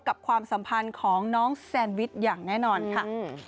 ความสัมพันธ์ของน้องแซนวิชอย่างแน่นอนค่ะ